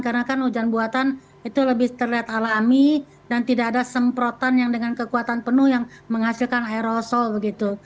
karena kan hujan buatan itu lebih terlihat alami dan tidak ada semprotan yang dengan kekuatan penuh yang menghasilkan aerosol begitu